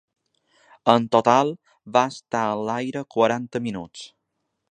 En total va estar en l’aire quaranta minuts.